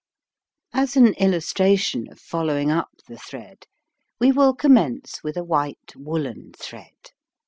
As an illustration of following up the thread, we will commence with a white woolen thread.